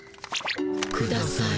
ください。